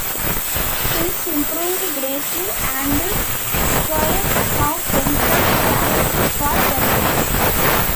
Things improved greatly and Troyes found themselves challenging for promotion.